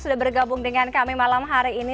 sudah bergabung dengan kami malam hari ini